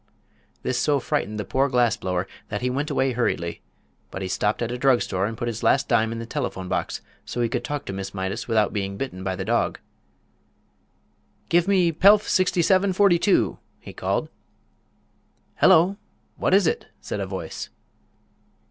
This so frightened the poor glass blower that he went away hurriedly. But he stopped at a drug store and put his last dime in the telephone box so he could talk to Miss Mydas without being bitten by the dog. "Give me Pelf 6742!" he called. "Hello! What is it?" said a voice.